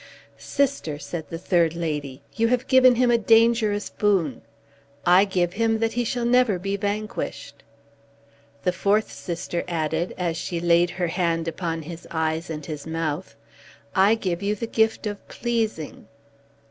"Sister," said the third lady, "you have given him a dangerous boon; I give him that he shall never be vanquished." The fourth sister added, as she laid her hand upon his eyes and his mouth, "I give you the gift of pleasing."